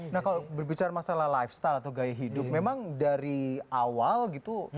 nah kalau berbicara masalah lifestyle atau gaya hidup memang dari awal gitu